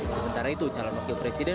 sementara itu calon wakil presiden